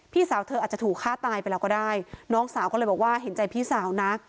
สาวเธออาจจะถูกฆ่าตายไปแล้วก็ได้น้องสาวก็เลยบอกว่าเห็นใจพี่สาวนะ